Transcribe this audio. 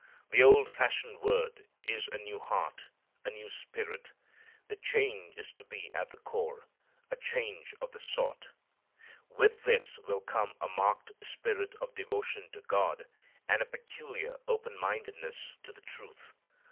The old fashioned word is a new heart a new spirit. The change is to be at the core; a change of the sort. With this will come a marked spirit of devotion to God, and a peculiar open mindedness to the truth.